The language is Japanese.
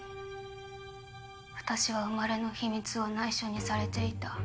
私は生まれの秘密を内緒にされていた。